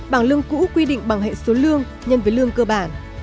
bảng lương cũ quy định bằng hệ số lương nhân với lương cơ bản